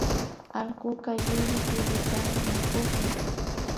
Allkuka llullu chukllutami mikukun